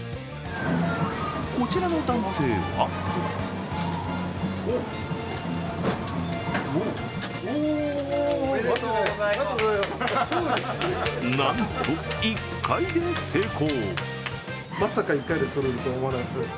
こちらの男性はなんと、１回で成功！